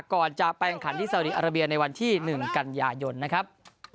ก่อนจะไปแข่งขันที่สาวดีอาราเบียในวันที่๑กันยายนนะครับ